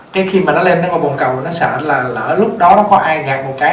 cái khi mà nó lên bồn cẩu nó sợ là lỡ lúc đó nó có ai gạt một cái